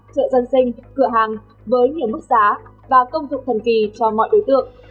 chợ dân sinh cửa hàng với nhiều mức giá và công dụng thần kỳ cho mọi đối tượng